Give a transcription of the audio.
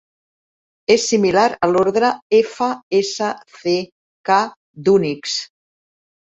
És similar a l'ordre fsck d'Unix.